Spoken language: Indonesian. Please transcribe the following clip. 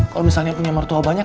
kalau misalnya punya mertua banyak